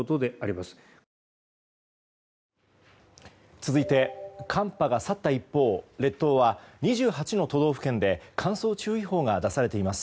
続いて、寒波が去った一方列島は２８の都道府県で乾燥注意報が出されています。